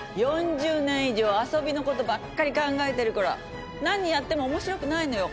４０年以上遊びの事ばっかり考えてるから何やっても面白くないのよ。